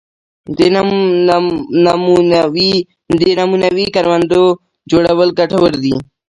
د نمونوي کروندو جوړول ګټور دي